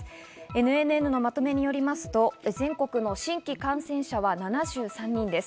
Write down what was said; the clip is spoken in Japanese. ＮＮＮのまとめによりますと、全国の新規感染者は７３人です。